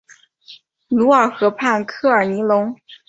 卢尔河畔科尔尼隆。